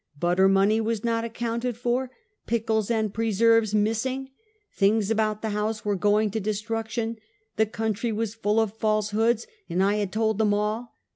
Butter money was not accounted for, pickles and preserves missing, tilings about the house were going to destruction, the country was full of falsehoods and I had told them all.